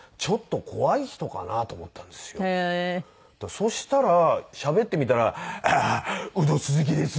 そしたらしゃべってみたら「ああウド鈴木です。